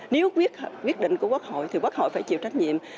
nếu quyết định của quốc hội thì quốc hội phải chịu trách nhiệm